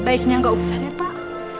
gak usah deh pak